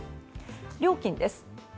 料金です。